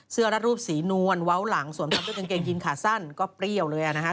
รัดรูปสีนวลเว้าหลังสวมทำด้วยกางเกงยินขาสั้นก็เปรี้ยวเลยอ่ะนะฮะ